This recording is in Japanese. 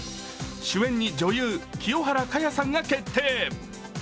主演に女優・清原果耶さんが決定。